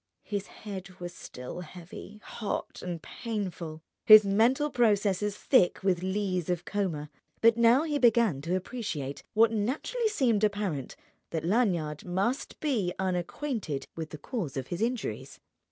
His head was still heavy, hot, and painful, his mental processes thick with lees of coma; but now he began to appreciate, what naturally seemed apparent, that Lanyard must be unacquainted with the cause of his injuries.